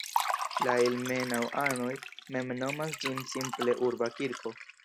La ilmenau-anoj mem nomas ĝin simple "Urba kirko".